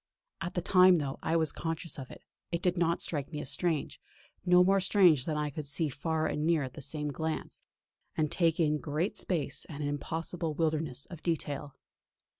At the time, though I was conscious of it, it did not strike me as strange; no more strange than that I could see far and near at the same glance, and take in great space and an impossible wilderness of detail.